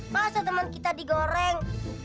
masa teman kita digoreng